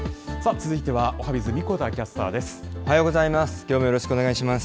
続いてはおはＢｉｚ、神子田キャスターです。